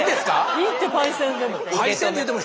いいって「パイセン」でも。